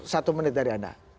satu menit dari anda